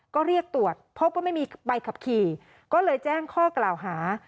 ก็เรียกตรวจพบว่าไม่มีใบขับขี่ก็เลยแจ้งข้อกล่าวหา